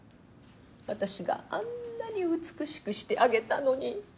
私があんなに美しくしてあげたのに。